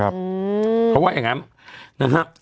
เพราะว่าอย่างนั้น